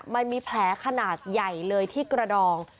มันมีแผลขนาดใหญ่เลยที่กระดอง